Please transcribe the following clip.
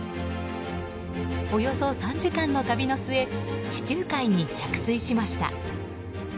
およそ３時間の旅の末地中海に着水しました。